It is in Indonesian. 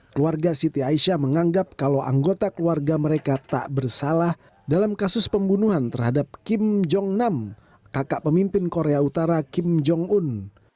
keluarga siti aisyah menganggap kalau anggota keluarga mereka tak bersalah dalam kasus pembunuhan terhadap kim jong nam kakak pemimpin korea utara kim jong un